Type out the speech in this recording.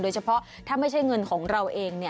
เฉพาะถ้าไม่ใช่เงินของเราเอง